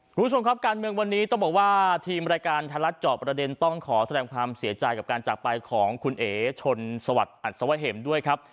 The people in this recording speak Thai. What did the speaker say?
คุณผู้ชมครับการเมืองวันนี้ต้องบอกว่าทีมรายการไทยรัฐเจาะประเด็นต้องขอแสดงความเสียใจกับการจากไปของคุณเอ๋ชนสวัสดิอัศวะเหมด้วยครับ